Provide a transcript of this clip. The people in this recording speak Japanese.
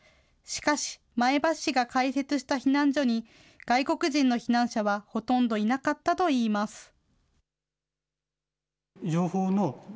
しかし、前橋市が開設した避難所に、外国人の避難者はほとんどいなかったといいます。